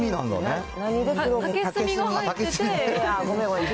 竹炭が入ってて。